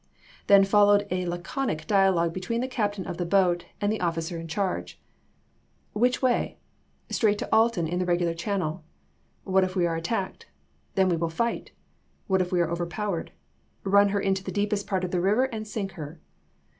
Then followed a laconic dialogue between the captain of the boat and the officer in charge. " Which way ?"" Straight to Alton in the regular channel." " What if we are attacked ?" "Then we will fight." "What if we are overpow ered ?"" Run her to the deepest part of the river and sink her."